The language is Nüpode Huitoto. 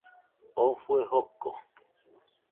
Oo fue joko